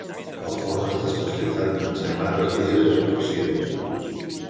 El forn està especialitzat en ensaïmades, llises o farcides.